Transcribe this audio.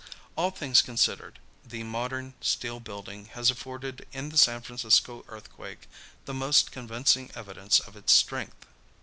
All things considered, the modern steel building has afforded in the San Francisco earthquake the most convincing evidence of its strength.